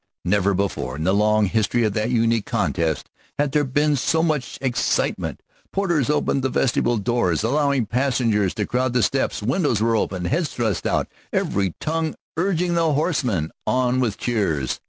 Never before in the long history of that unique contest had there been so much excitement. Porters opened the vestibule doors, allowing passengers to crowd the steps; windows were opened, heads thrust out, every tongue urging the horseman on with cheers.